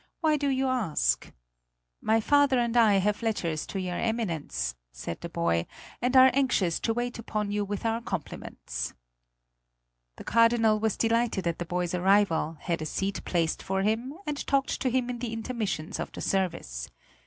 "Why do you ask?" "My father and I have letters to your Eminence," said the boy, "and are anxious to wait upon you with our compliments." The Cardinal was delighted at the boy's arrival, had a seat placed for him, and talked to him in the intermissions of the service.